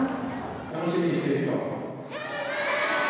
楽しみにしている人？